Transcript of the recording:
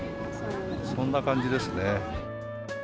そんな感じですね。